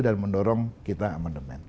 dan mendorong kita amandemen